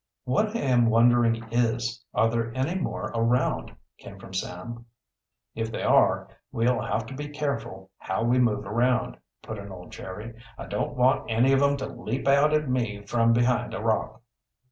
"What I am wondering is, are there any more around?" came from Sam. "If there are, we'll have to be careful how we move around," put in old Jerry. "I don't want any of 'em to leap out at me from behind a rock."